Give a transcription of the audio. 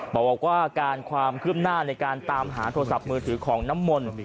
บอกว่าการความคืบหน้าในการตามหาโทรศัพท์มือถือของน้ำมนต์